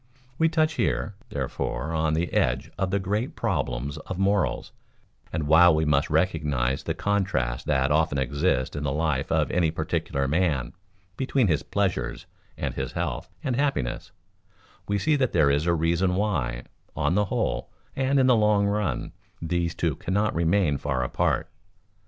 We touch here, therefore, on the edge of the great problems of morals, and while we must recognize the contrast that often exists in the life of any particular man between his "pleasures" and his health and happiness, we see that there is a reason why, on the whole, and in the long run, these two cannot remain far apart.